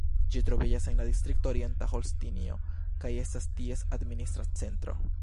Ĝi troviĝas en la distrikto Orienta Holstinio, kaj estas ties administra centro.